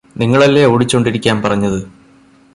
നിങ്ങളല്ലേ ഓടിച്ചോണ്ടിരിക്കാന് പറഞ്ഞത്